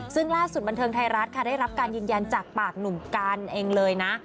ซึ่งล่าสุดบันเทิงไทยรัฐค่ะได้รับการยืนยันจากปากหนุ่มกันเองเลยนะ